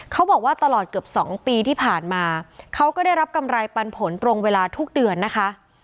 เขาบอกว่าตลอดเกือบ๒ปีที่ผ่านมาเขาก็ได้รับกำไรปันผลตรงเวลาทุกเดือนนะคะ